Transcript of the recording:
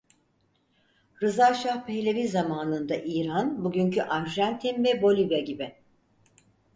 Rıza Şah Pehlevi zamanında İran, bugünkü Arjantin ve Bolivya gibi.